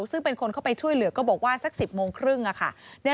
ซึ่งเป็นคนเข้าไปช่วยเหลือก็บอกว่าสัก๑๐โมงครึ่งค่ะ